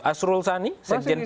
asrul sani sekjen p tiga